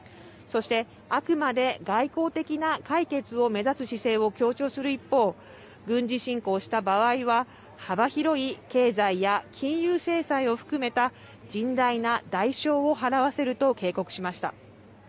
そしてあくまで外交的な解決を目指す姿勢を強調する一方、軍事侵攻した場合は、幅広い経済や金融制裁を含めた甚大な代償を払わせると警告しました。